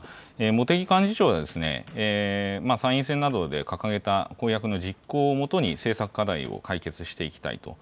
茂木幹事長は、参院選などで掲げた公約の実行をもとに、政策課題を解決していきたいと。